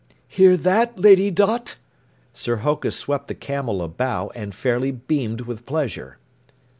"Hear that, Lady Dot?" Sir Hokus swept the camel a bow and fairly beamed with pleasure.